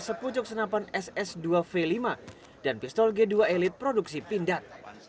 sepucuk senapan ss dua v lima dan pistol g dua elit produksi pindad